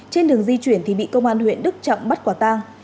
trên đường di chuyển thì bị công an huyện đức trọng bắt quả tang